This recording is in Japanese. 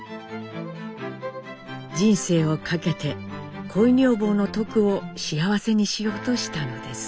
人生をかけて恋女房のトクを幸せにしようとしたのです。